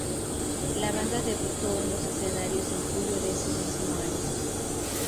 La banda debutó en los escenarios en julio de ese mismo año.